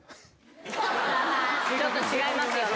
ちょっと違いますよね。